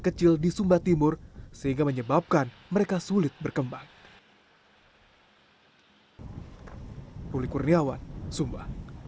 kecil di sumba timur sehingga menyebabkan mereka sulit berkembang ruli kurniawan sumba